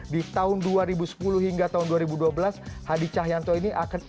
di tahun dua ribu sepuluh hingga tahun dua ribu dua belas hadi cahyanto ini akan